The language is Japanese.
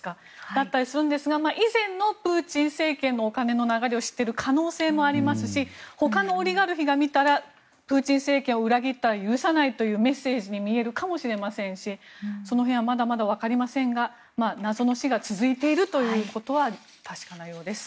だったりするんですが以前のプーチン政権のお金の流れを知っている可能性もありますしほかのオリガルヒ見たらプーチン政権を裏切ったら許さないというメッセージに見えるかもしれませんしその辺はまだまだわかりませんが謎の死が続いているということは確かなようです。